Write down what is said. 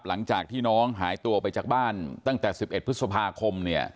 หลังจากที่น้องหายตัวไปจากบ้านตั้งแต่๑๑พฤษภาคมเนี่ย